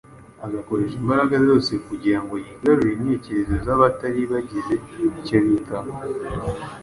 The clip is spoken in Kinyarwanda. agakoresha imbaraga ze kugira ngo yigarurire intekerezo z’abatari bagize icyo bitaho.